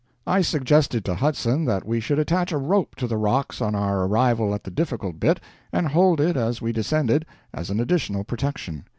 I suggested to Hudson that we should attach a rope to the rocks on our arrival at the difficult bit, and hold it as we descended, as an additional protection.